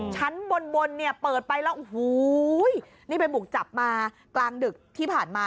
ชั้นบนบนเนี่ยเปิดไปแล้วโอ้โหนี่ไปบุกจับมากลางดึกที่ผ่านมา